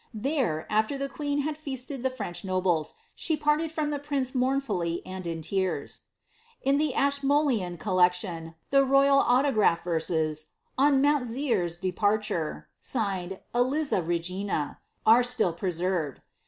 There, after the queen had feasted the French nobles, she parted from the prince, mournfully, and in tears.' In the Ashmolean collection, the royal autograph rerses ^ On Mount Zeur's departure," tigoed ^ Eliza Regina," are still preserved.